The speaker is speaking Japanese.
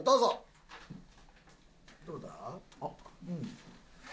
どうだ？